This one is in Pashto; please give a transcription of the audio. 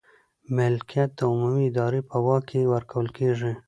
ملکیت د عمومي ادارې په واک کې ورکول کیږي.